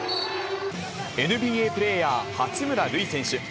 ＮＢＡプレーヤー、八村塁選手。